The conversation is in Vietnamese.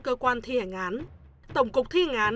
cơ quan thi hành án tổng cục thi hành